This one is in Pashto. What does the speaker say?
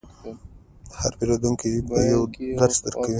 هر پیرودونکی یو درس درکوي.